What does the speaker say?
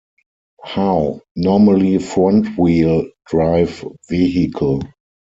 How: Normally front-wheel drive vehicle.